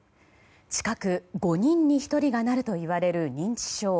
近く５人に１人がなるといわれる認知症。